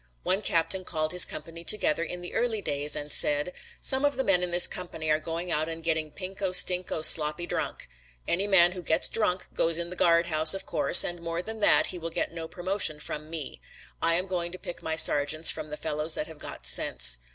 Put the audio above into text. One captain called his company together in the early days and said, "Some of the men in this company are going out and getting pinko, stinko, sloppy drunk. Any man who gets drunk goes in the guard house of course and more than that he will get no promotion from me. I'm going to pick my sergeants from the fellows that have got sense.